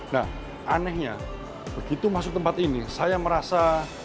nah anehnya begitu masuk tempat ini saya merasa